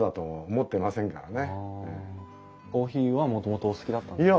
コーヒーはもともとお好きだったんですか？